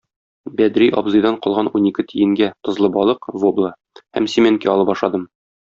Бәдри абзыйдан калган унике тиенгә тозлы балык - вобла һәм симәнкә алып ашадым.